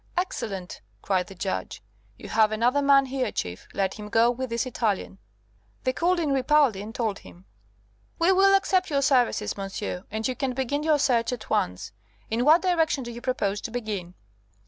"Excellent!" cried the Judge. "You have another man here, Chief; let him go with this Italian." They called in Ripaldi and told him, "We will accept your services, monsieur, and you can begin your search at once. In what direction do you propose to begin?"